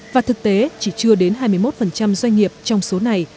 và thực tế chỉ chưa đến hai mươi một doanh nghiệp trong số này